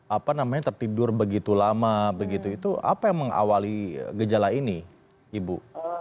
apa namanya tertidur begitu lama begitu itu apa yang mengawali gejala ini ibu